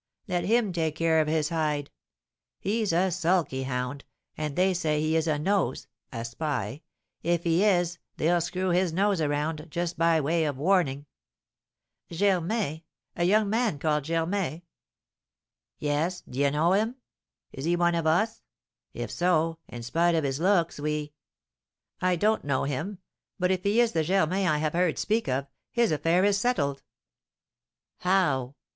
Let him take care of his hide! He's a sulky hound, and they say he is a 'nose' (a spy); if he is, they'll screw his nose around, just by way of warning." "Germain? A young man called Germain?" "Yes; d'ye know him? Is he one of us? If so, in spite of his looks, we " "I don't know him; but if he is the Germain I have heard speak of, his affair is settled." "How?"